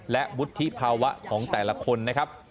และวุฒิภาวะของแต่ละคนนะครับ